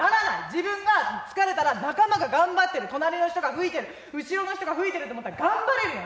自分が疲れたら仲間が頑張ってる隣の人が吹いてる後ろの人が吹いてると思ったら頑張れるやん。